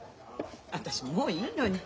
私もういいのに。